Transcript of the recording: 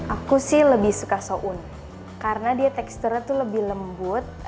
aku sih lebih suka soun karena dia teksturnya itu lebih lembut